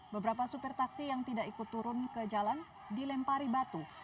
beberapa supir taksi yang tidak ikut turun ke jalan dilempari batu